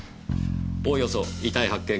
おおよそ遺体発見